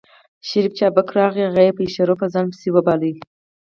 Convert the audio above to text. شريف تېز راغی هغه يې په اشارو په ځان پسې وباله.